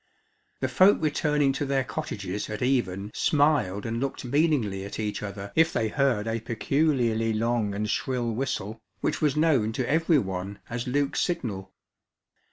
The folk returning to their cottages at even smiled and looked meaningly at each other if they heard a peculiarly long and shrill whistle, which was known to every one as Luke's signal.